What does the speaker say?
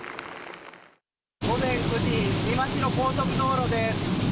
午前９時、美馬市の高速道路です。